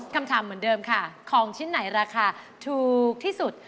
คำถามเหมือนเดิมค่ะของชิ้นไหนราคาถูกที่สุด